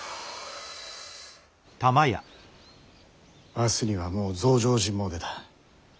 明日にはもう増上寺詣だ。